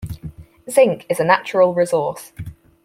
Zinc is a natural resource.